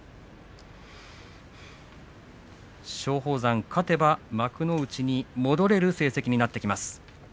松鳳山、勝てば幕内に戻れる成績になってきます。